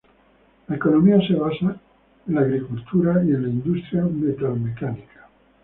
La economía se basa en la agricultura y en la industria metalmecánica.